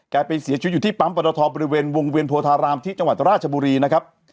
ไปเสียชีวิตอยู่ที่ปั๊มปรทบริเวณวงเวียนโพธารามที่จังหวัดราชบุรีนะครับ